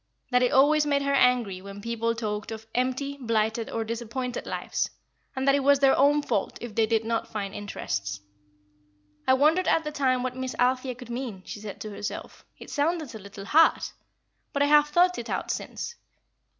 that it always made her angry when people talked of empty, blighted, or disappointed lives, and that it was their own fault if they did not find interests. "I wondered at the time what Miss Althea could mean," she said to herself; "it sounded a little hard. But I have thought it out since.